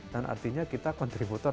dan artinya kita kontributor